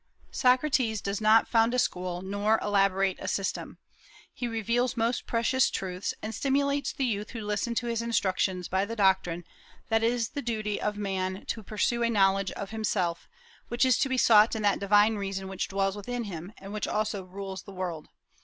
Socrates does not found a school, nor elaborate a system. He reveals most precious truths, and stimulates the youth who listen to his instructions by the doctrine that it is the duty of man to pursue a knowledge of himself, which is to be sought in that divine reason which dwells within him, and which also rules the world.